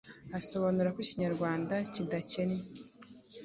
Asobanura ko Ikinyarwanda kidakennye